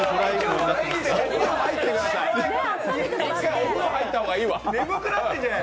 お風呂入った方がいいわ。